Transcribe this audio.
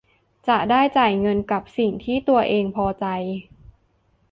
จะได้จ่ายเงินกับสิ่งที่ตัวเองพอใจ